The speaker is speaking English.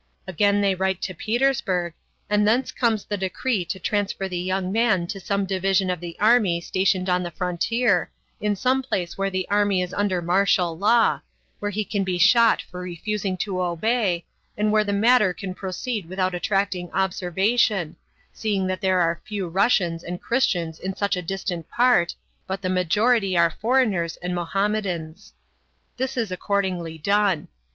Again they write to Petersburg, and thence comes the decree to transfer the young man to some division of the army stationed on the frontier, in some place where the army is under martial law, where he can be shot for refusing to obey, and where the matter can proceed without attracting observation, seeing that there are few Russians and Christians in such a distant part, but the majority are foreigners and Mohammedans. This is accordingly done.